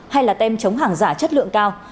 hay là tem chống hàng giả chất lượng cao